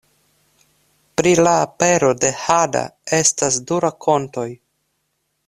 Pri la apero de hada estas du rakontoj.